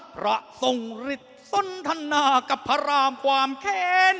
พระทรงฤทธิ์สนทนากับพระรามความแค้น